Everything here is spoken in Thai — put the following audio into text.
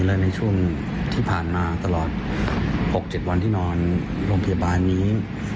และในช่วงที่ผ่านมาตลอด๖๗วันที่นอนโรงพยาบาลนี้